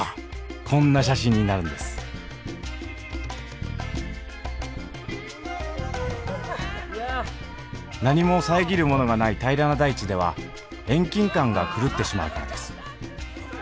こんな写真になるんです何も遮るものがない平らな大地では遠近感が狂ってしまうからです。